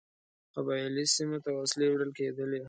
قبایلي سیمو ته وسلې وړلې کېدلې.